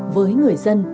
với người chiến sĩ công an